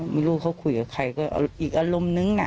ไม่รู้เขาคุยกับใครก็อีกอารมณ์นึงน่ะ